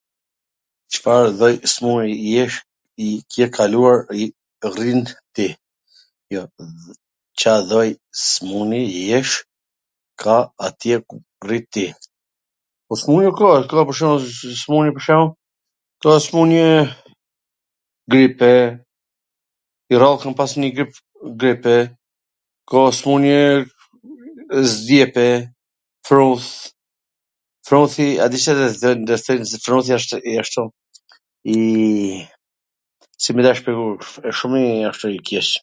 Ca lloj smun-jesh ka atje ku rri ti? Po smun-je ka, ka pwr shemull, smun-je pwr shemull, ka smun-je, grip e, njw radh kam pas njw grip, grip e, ka smun-je zgjebe, fruth, fruthi, a din Ca thon, thojn se fruthi wsht i ashtu, iii, si me ta shpjegu, wsht shum i ashtu, i keq.